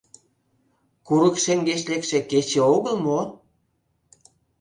Курык шеҥгеч лекше кече огыл мо?